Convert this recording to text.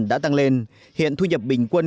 đã tăng lên hiện thu nhập bình quân